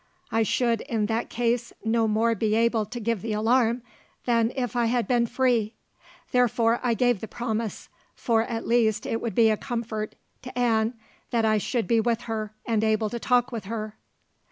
I should, in that case, no more be able to give the alarm than if I had been free; therefore I gave the promise, for at least it would be a comfort, to Anne, that I should be with her and able to talk to her.